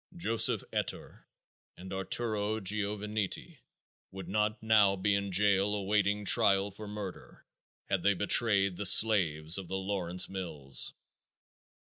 Joseph Ettor and Arturo Giovannitti would not now be in jail awaiting trial for murder had they betrayed the slaves of the Lawrence mills.